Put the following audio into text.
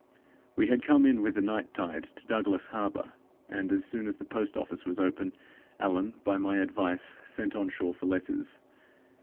We had come in with the night tide to Douglas Harbor, and, as soon as the post office was open; Allan, by my advice, sent on shore for letters.